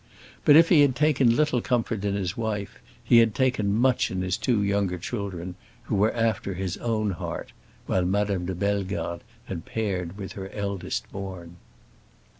But if he had taken little comfort in his wife he had taken much in his two younger children, who were after his own heart, while Madame de Bellegarde had paired with her eldest born.